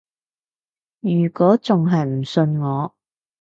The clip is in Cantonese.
如果仲係唔信我